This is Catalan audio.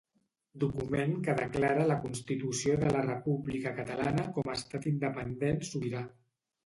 Document que declara la constitució de la República Catalana com a Estat independent sobirà